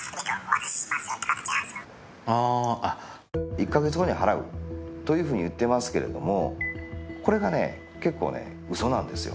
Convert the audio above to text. １か月後に払うというふうに言ってますけれどもこれが結構、うそなんですよ。